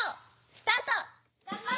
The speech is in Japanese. スタート！